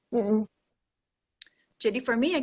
jadi for me ya kita harus berhenti